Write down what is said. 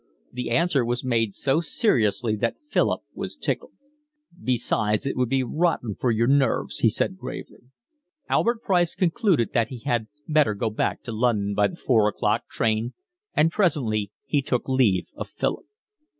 The answer was made so seriously that Philip was tickled. "Besides it would be rotten for your nerves," he said gravely. Albert Price concluded that he had better go back to London by the four o'clock train, and presently he took leave of Philip.